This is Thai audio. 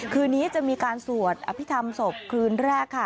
คืนนี้จะมีการสวดอภิษฐรรมศพคืนแรกค่ะ